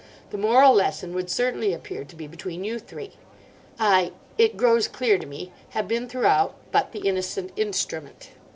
The moral lesson would certainly appear to be between you three. I—it grows clear to me—have been throughout but the innocent instrument."